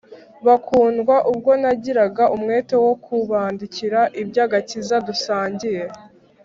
bakundwa, ubwo nagiraga umwete wo kubandikira iby’agakiza dusangiye